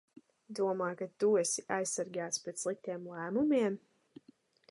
Domā, ka tu esi aizsargāts pret sliktiem lēmumiem?